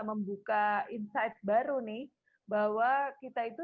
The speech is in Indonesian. membuka insight baru nih bahwa kita itu